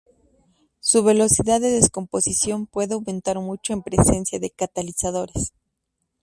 Su velocidad de descomposición puede aumentar mucho en presencia de catalizadores.